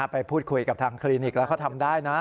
ไปพูดคุยกับทางคลินิกแล้วเขาทำได้นะ